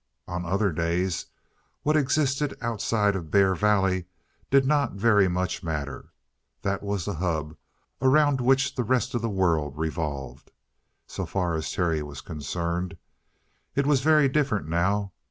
On other days what existed outside of Bear Valley did not very much matter. That was the hub around which the rest of the world revolved, so far as Terry was concerned. It was very different now.